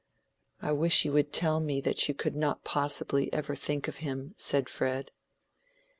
"I wish you would tell me that you could not possibly ever think of him," said Fred.